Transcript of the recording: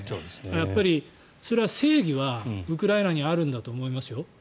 やっぱりそれは正義はウクライナにあるんだと思いますよ。